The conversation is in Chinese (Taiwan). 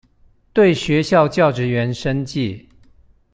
對學校教職員申誡